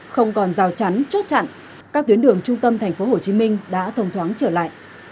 không còn rào chắn chốt chặn các tuyến đường trung tâm tp hcm đã thông thoáng trở lại